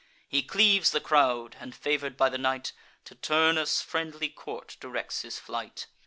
He cleaves the crowd, and, favour'd by the night, To Turnus' friendly court directs his flight.